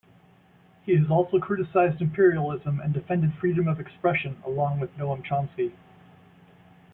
He has also criticized imperialism and defended freedom of expression along with Noam Chomsky.